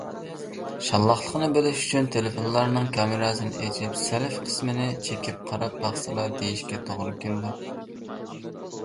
شاللاقلىقنى بىلىش ئۈچۈن تېلېفونلىرىنىڭ كامېراسىنى ئېچىپ self قىسمىنى چېكىپ قاراپ باقسىلا، دېيشكە توغرا كېلىدۇ.